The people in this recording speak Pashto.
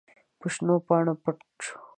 په شنو پاڼو پټ شول.